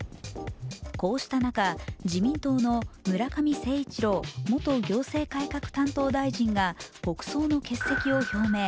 こうした中、自民党の村上誠一郎元行政改革担当大臣が国葬の欠席を表明。